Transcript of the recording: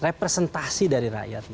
representasi dari rakyat